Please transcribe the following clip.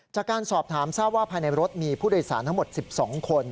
จากการสอบถามทราบว่าภายในรถมีผู้โดยสารทั้งหมด๑๒คน